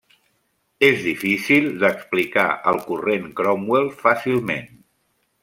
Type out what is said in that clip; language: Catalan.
És difícil d'explicar el Corrent Cromwell fàcilment.